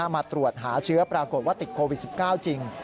มาตรวจหาเชื้อปรากฏว่าติดโควิด๑๙จริง